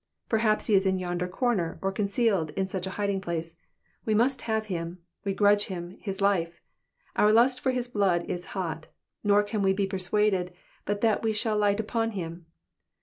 Perhaps he is in yonder comer, or concealed in such a hidingplace. We must have him. We grudge him his life. Our lust for his blood is hot, nor can we be persuaded but that we shall li^jht upon him."